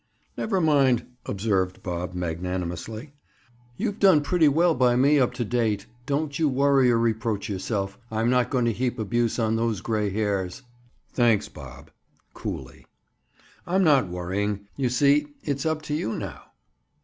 "Never mind," observed Bob magnanimously. "You've done pretty well by me up to date. Don't you worry or reproach yourself. I'm not going to heap abuse on those gray hairs." "Thanks, Bob." Coolly. "I'm not worrying. You see, it's up to you now."